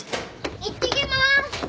いってきます。